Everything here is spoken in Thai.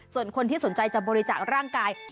ส่วนคนที่สนใจจะบริจาคร่างกาย